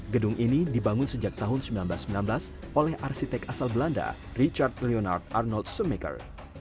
gedung ini dibangun sejak tahun seribu sembilan ratus sembilan belas oleh arsitek asal belanda richard leonard arnold sumeker